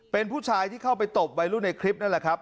เป็นผู้ชายที่เข้าไปตบวัยรุ่นในคลิปนั่นแหละครับ